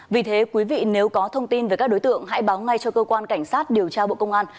vì thế quý vị nếu có thông tin về các đối tượng hãy báo ngay cho cơ quan cảnh sát điều tra bộ công an